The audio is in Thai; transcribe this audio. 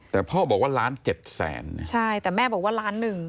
แต่พ่อบอกว่าล้านเจ็ดแสนนะใช่แต่แม่บอกว่าล้านหนึ่ง